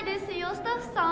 スタッフさん？